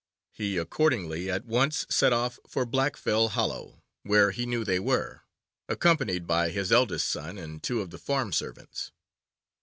He accordingly at once set off for Blackfell Hollow, where he knew they were, accompanied by his eldest son and two of the farm servants.